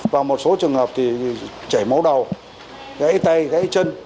và một số trường hợp thì chảy máu đầu gãy tay gãy chân